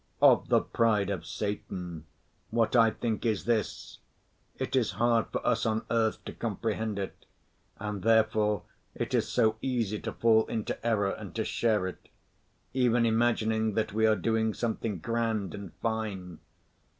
Of the pride of Satan what I think is this: it is hard for us on earth to comprehend it, and therefore it is so easy to fall into error and to share it, even imagining that we are doing something grand and fine.